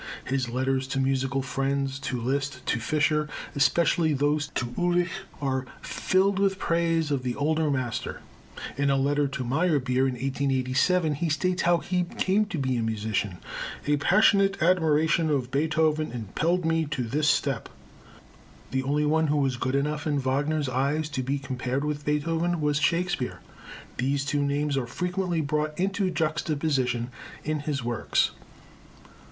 His letters to musical friends, to Liszt, to Fischer, especially those to Ulig, are filled with praise of the older master. In a letter to Meyerbeer, in 1887, he states how he came to be a musician. "A passionate admiration of Beethoven impelled me to this step." The only one who was good enough in Wagner's eyes to be compared with Beethoven, was Shakespeare. These two names are frequently brought into juxtaposition in his works.